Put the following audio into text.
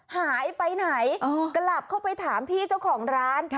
หายไปไหนกลับเข้าไปถามพี่เจ้าของร้าน